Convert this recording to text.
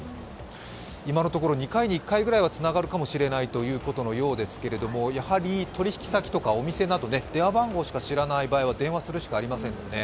今のところ、２回に１回ぐらいはつながるかもしれないということですがやはり取引先とかお店など、電話番号しか知らない場合は電話するしかないですよね。